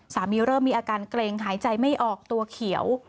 เริ่มมีอาการเกร็งหายใจไม่ออกตัวเขียว